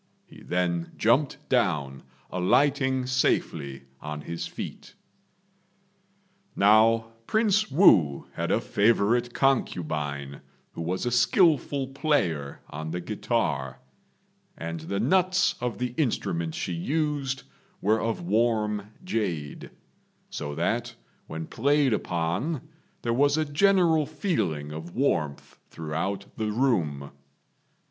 He then jumped down, alighting safely on his feet. Now Prince Wu had a favourite concubine, who was a skilful player on the guitar; and the nuts of the instrument she used were of warm jade, so that when played upon there was a general feeling of warmth throughout the room.